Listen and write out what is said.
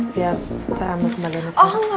biar saya ambil kembaliannya sekarang